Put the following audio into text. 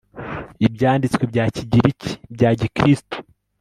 Ibyanditswe bya Kigiriki bya Gikristo